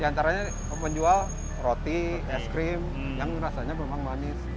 di antaranya menjual roti es krim yang rasanya memang manis